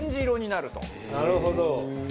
なるほど。